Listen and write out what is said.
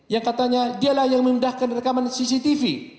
yang katanya dialah yang memindahkan rekaman cctv